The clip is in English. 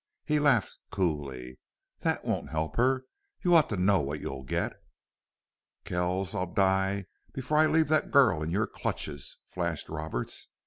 He laughed coolly. "That won't help her... You ought to know what you'll get." "Kells I'll die before I leave that girl in your clutches," flashed Roberts.